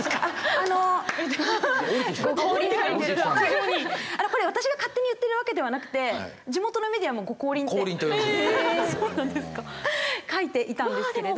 あのこれ私が勝手に言ってるわけではなくて地元のメディアも「ご降臨」って書いていたんですけれど。